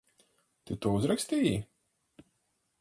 Tu to uzrakstīji?